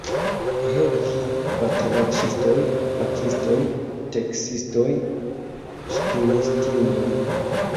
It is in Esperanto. He vi, batalaĉistoj, bakistoj, teksistoj, ŝpinistinoj!